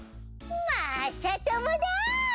まさともだ！